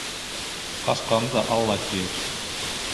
Ҡасҡан да «Алла» тиер